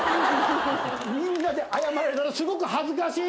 みんなで謝られたらすごく恥ずかしい！